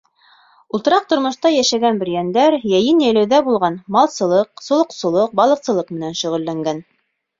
Ултыраҡ тормошта йәшәгән бөрйәндәр йәйен йәйләүҙә булған, малсылыҡ, солоҡсолоҡ, балыҡсылыҡ менән шөғөлләнгән.